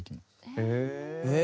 へえ！